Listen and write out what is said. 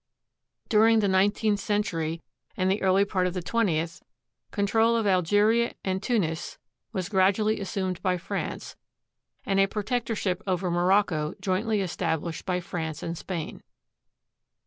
During the nineteenth century and the early part of the twentieth, control of AlgeriaandTunis was gradually assumed by France, and a protectorship over Morocco jointly estab lished by France and Spain.